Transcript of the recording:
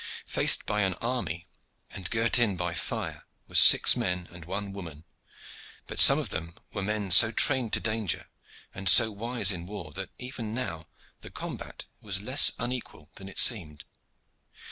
Faced by an army, and girt in by fire, were six men and one woman; but some of them were men so trained to danger and so wise in war that even now the combat was less unequal than it seemed.